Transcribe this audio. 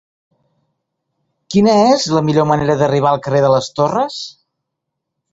Quina és la millor manera d'arribar al carrer de les Torres?